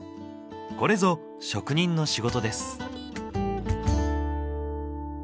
これぞ職人の仕事です。